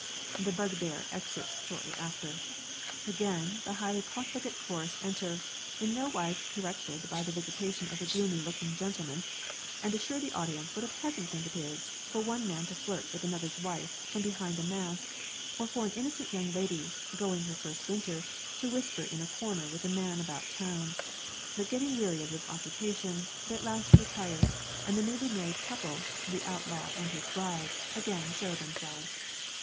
The bug bear exits shortly after. Again the highly profligate chorus enter, in no wise corrected by the visitation of the gloomy looking gentleman, and assure the audience what a pleasant thing it is for one man to flirt with another's wife from behind a mask, or for an innocent young lady "going her first winter" to whisper in a corner with a man about town; but getting weary of this occupation, they at last retire, and the newly married couple the outlaw and his bride again show themselves.